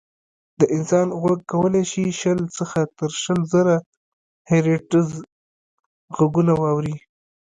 د انسان غوږ کولی شي شل څخه تر شل زره هیرټز غږونه واوري.